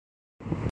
نہ راولپنڈی کے۔